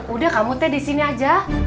udah kamu teh di sini aja